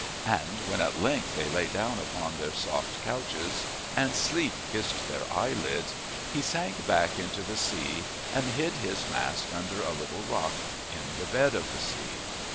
And when at length they lay down upon their soft couches and sleep kissed their eyelids, he sank back into the sea and hid his mask under a little rock in the bed of the sea.